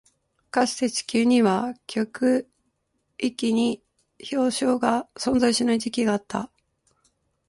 かつて、地球には極域に氷床が存在しない時期があった。